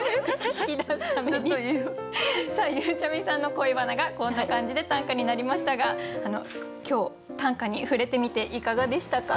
ゆうちゃみさんの恋バナがこんな感じで短歌になりましたが今日短歌に触れてみていかがでしたか？